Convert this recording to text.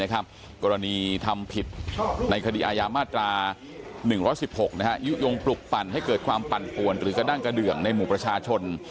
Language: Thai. กรณีทำผิดในคดีอาญามาตรา๑๑๖ยุโยงปลุกปั่นให้เกิดความปั่นป่วนหรือกระด้างกระเดืองในหมู่ประชาชน